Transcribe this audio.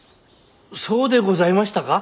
そうでございましたか？